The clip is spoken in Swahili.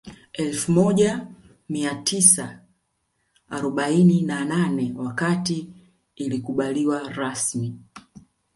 Elfu moja mia tisa arobaini na nane wakati ilikubaliwa rasmi